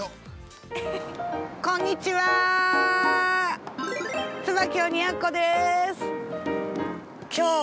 ◆こんにちは。